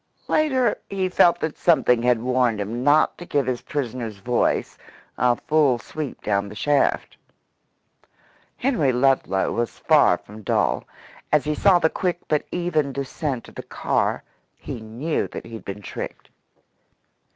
Later he felt that something had warned him not to give his prisoner's voice a full sweep down the shaft. Henry Ludlow was far from dull. As he saw the quick but even descent of the car, he knew that he had been tricked.